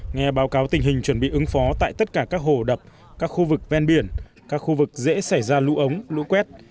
nghe báo cáo tình hình chuẩn bị ứng phó tại tất cả các hồ đập các khu vực ven biển các khu vực dễ xảy ra lũ ống lũ quét